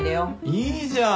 いいじゃん。